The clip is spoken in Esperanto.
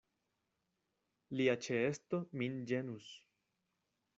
Lia ĉeesto min ĝenus.